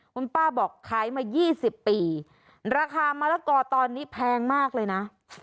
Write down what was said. คุณป้าบอกขายมา๒๐ปีราคามะละกอตอนนี้แพงมากเลยนะ